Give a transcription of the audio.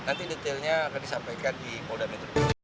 nanti detailnya akan disampaikan di polda metro jaya